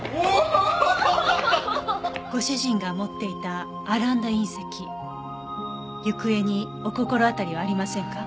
ご主人が持っていたアランダ隕石行方にお心当たりはありませんか？